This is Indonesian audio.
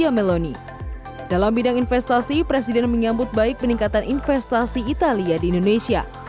sementara itu presiden jokowi juga bertemu dengan perancis